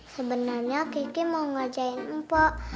sebenernya kiki mau ngajain mpok